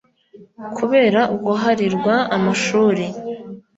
kubera guharirwa amashuri